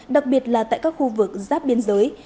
đặc biệt là tại các khu vực giáp biên giới